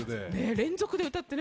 連続で歌って。